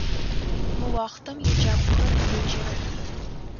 Мы уахътэм еджакӏохэр еджэрэп.